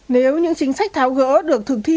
nếu những chính sách tháo gỡ được thực thi